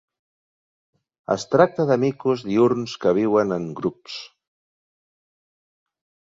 Es tracta de micos diürns que viuen en grups.